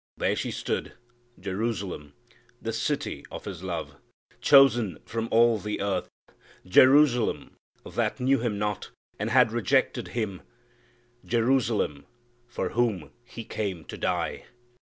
There she stood, Jerusalem, the city of His love, Chosen from all the earth: Jerusalem, That knew Him not, and had rejected Him; Jerusalem for whom He came to die!